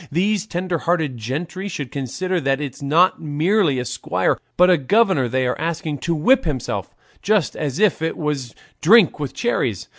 These tender hearted gentry should consider that it's not merely a squire, but a governor they are asking to whip himself; just as if it was 'drink with cherries.